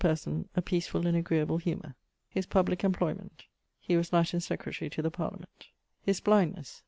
person, a peacefull and agreable humour. <_His public employment._> He was Latin secretary to the Parliament. <_His blindness.